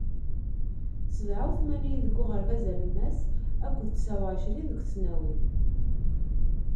Sebεa u tmanyin deg uɣerbaz alemmas akked tesεa u εecrin deg tesnawit.